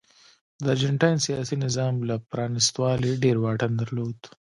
د ارجنټاین سیاسي نظام له پرانیستوالي ډېر واټن درلود.